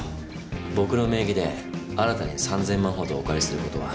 僕の名義で新たに３，０００万ほどお借りすることは？